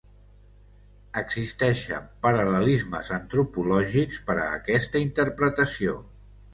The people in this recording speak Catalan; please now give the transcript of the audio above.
Existeixen paral·lelismes antropològics per a aquesta interpretació.